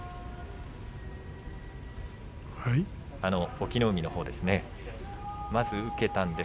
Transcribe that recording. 隠岐の海のほうですね。